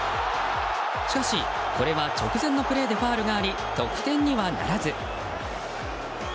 しかし、これは直前のプレーでファウルがあり得点にはならず。